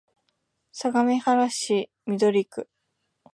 相模原市緑区